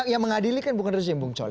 yang mengadilikan bukan rezim bung coy